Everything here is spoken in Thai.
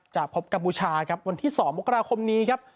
พบกัมพูชาครับวันที่๒มกราคมนี้ครับ